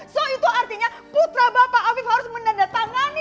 so itu artinya putra bapak afif harus menandatangani